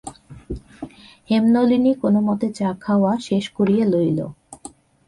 হেমনলিনী কোনোমতে চা-খাওয়া শেষ করিয়া লইল।